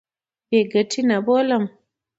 بې ګټې نه بولم.